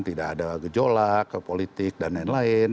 tidak ada gejolak ke politik dan lain lain